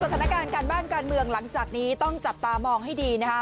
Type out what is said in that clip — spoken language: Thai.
สถานการณ์การบ้านการเมืองหลังจากนี้ต้องจับตามองให้ดีนะคะ